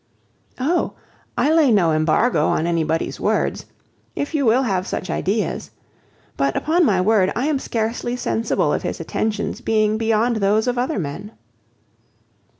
"Oh! I lay no embargo on any body's words. If you will have such ideas! But, upon my word, I am scarcely sensible of his attentions being beyond those of other men."